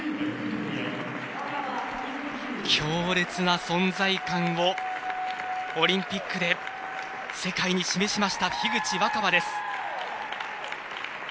強烈な存在感をオリンピックで世界に示しました、樋口新葉です。